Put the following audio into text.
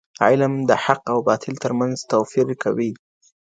علم د حق او باطل ترمنځ توپير کوي.